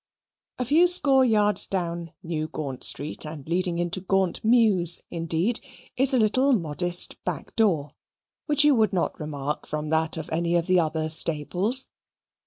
A few score yards down New Gaunt Street, and leading into Gaunt Mews indeed, is a little modest back door, which you would not remark from that of any of the other stables.